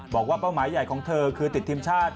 เป้าหมายใหญ่ของเธอคือติดทีมชาติ